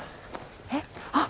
えっあっ！